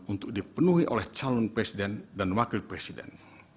untuk dipenuhi oleh calon presiden dan wakil presiden